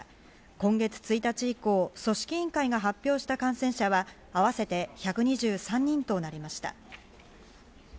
今月１日以降、組織委員会が発表した感染者は合わせて１２３人となりました。